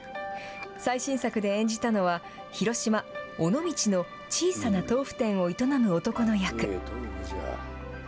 最新作で演じたのは、広島・尾道の小さな豆腐店を営む男の役。